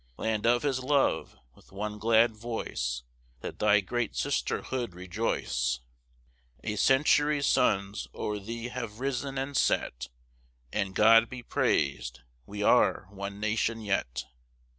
Land of his love! with one glad voice Let thy great sisterhood rejoice; A century's suns o'er thee have risen and set, And, God be praised, we are one nation yet.